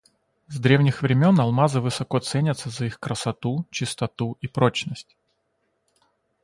С древних времен алмазы высоко ценятся за их красоту, чистоту и прочность.